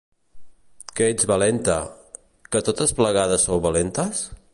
Que ets valenta, que totes plegades sou valentes?